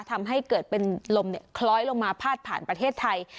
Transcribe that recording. ทำให้เกิดเป็นลมคล้อยลงมาพาดผ่านประเทศไทย